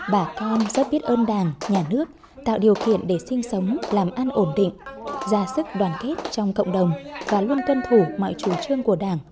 bà con rất biết ơn đảng nhà nước tạo điều kiện để sinh sống làm ăn ổn định ra sức đoàn kết trong cộng đồng và luôn cân thủ mọi chủ trương của đảng